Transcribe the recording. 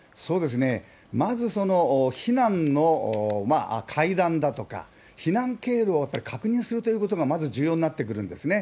まず避難の階段だとか、避難経路をやっぱり確認するということが、まず重要になってくるんですね。